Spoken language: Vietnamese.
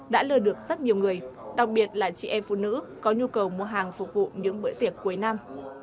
đã lừa được rất nhiều người đặc biệt là chị em phụ nữ có nhu cầu mua hàng phục vụ những bữa tiệc cuối năm